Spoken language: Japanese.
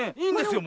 もう。